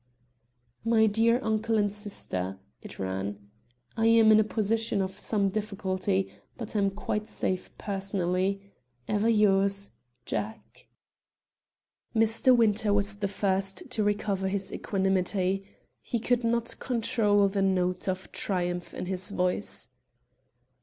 "My dear Uncle and Sister," it ran. "I am in a position of some difficulty, but am quite safe personally. Ever yours, JACK." Mr. Winter was the first to recover his equanimity. He could not control the note of triumph in his voice.